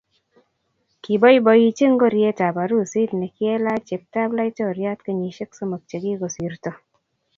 kiboiboichi ngoryetab arusit nekielach cheptab laitoriat kenyisiek somok che kikosirto